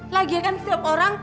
lagikan setiap orang